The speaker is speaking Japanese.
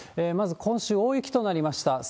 まず、今週大雪となりました。